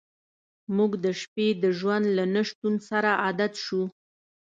موږ د شپې د ژوند له نشتون سره عادت شو